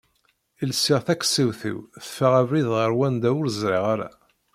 lsiɣ takessiwt-iw ṭfeɣ abrid ɣer wanda ur ẓriɣ ara.